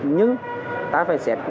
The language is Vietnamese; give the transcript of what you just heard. nhưng ta phải xét